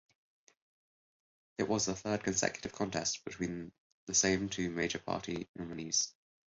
It was the third consecutive contest between the same two major party nominees.